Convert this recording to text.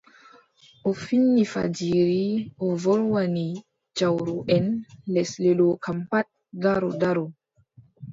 O fini fajiri, o wolwani jawroʼen lesle ɗo kam pat ndaro ndaro.